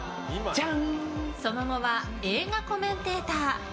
その後は映画コメンテーター。